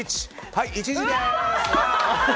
はい、１時です！